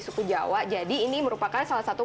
suku jawa jadi ini merupakan salah satu